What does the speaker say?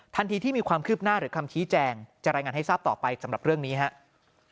ทันทีที่มีความคืบหน้าหรือคำชี้แจงจะรายงานให้ทราบต่อไปสำหรับเรื่องนี้ครับ